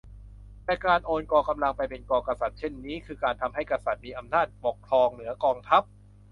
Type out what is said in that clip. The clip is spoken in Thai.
แต่การโอนกองกำลังไปเป็นของกษัตริย์เช่นนี้ คือการทำให้กษัตริย์มีอำนาจปกครองเหนือกองทัพ